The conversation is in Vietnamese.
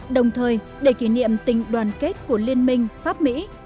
đồng thời để kỷ niệm tình đoàn kết của liên minh pháp mỹ